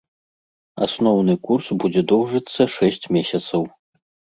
Асноўны курс будзе доўжыцца шэсць месяцаў.